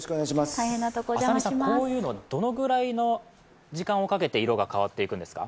こういうのはどのぐらいの時間をかけて色が変わっていくんですか？